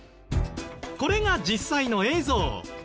これが実際の映像。